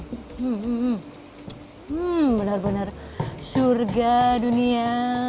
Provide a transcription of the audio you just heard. hmm benar benar surga dunia